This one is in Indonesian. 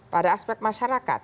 pada aspek masyarakat